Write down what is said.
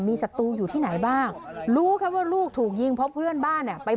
มีศัตรูอยู่ที่ไหนบ้างรู้แค่ว่าลูกถูกยิงเพราะเพื่อนบ้านเนี่ยไป